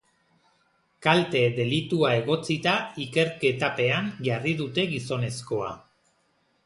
Kalte delitua egotzita ikerketapean jarri dute gizonezkoa.